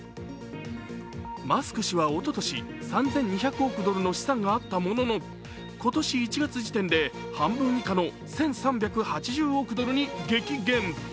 マスク氏はおととし、３２００億ドルの資産があったものの今年１月時点で半分以下の１３８０億ドルに激減。